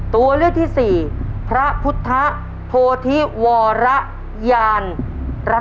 ตัวเลือกที่สี่พระพุทธโพธิวรยาน